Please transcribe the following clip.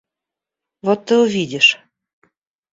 Вот ты увидишь.